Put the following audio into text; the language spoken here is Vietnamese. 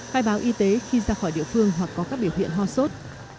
khai báo y tế khi ra khỏi địa phương hoặc có các biểu hiện ho sốt